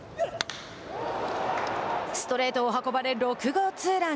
ストレートを運ばれ６号ツーラン。